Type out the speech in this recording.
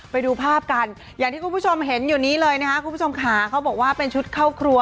ไปดูภาพกันอย่างที่คุณผู้ชมเห็นอยู่นี้เลยนะคะคุณผู้ชมค่ะเขาบอกว่าเป็นชุดเข้าครัว